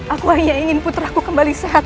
aku hanya ingin putraku kembali sehat